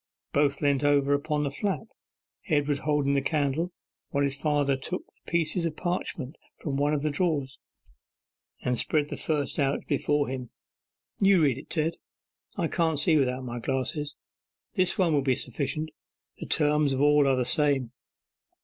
Both leant over upon the flap; Edward holding the candle, whilst his father took the pieces of parchment from one of the drawers, and spread the first out before him. 'You read it, Ted. I can't see without my glasses. This one will be sufficient. The terms of all are the same.